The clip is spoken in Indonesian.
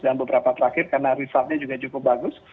dan beberapa terakhir karena resultnya juga cukup bagus